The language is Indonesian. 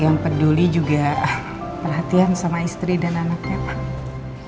yang peduli juga perhatian sama istri dan anaknya pak